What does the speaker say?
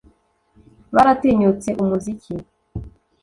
baratinyutse umuziki